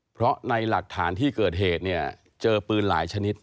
เพราะในหลักฐานที่เกิดเหตุเนี่ยเจอปืนหลายชนิด